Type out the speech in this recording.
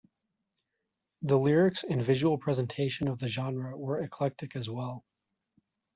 The lyrics and visual presentation of the genre are eclectic as well.